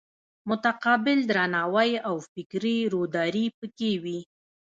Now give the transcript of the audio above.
متقابل درناوی او فکري روداري پکې وي.